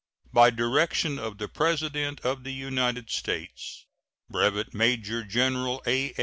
By direction of the President of the United States, Brevet Major General A.